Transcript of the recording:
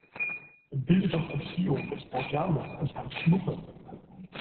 Bilde doch ein Trio mit Frau Gerloff und Herrn Schnuppe!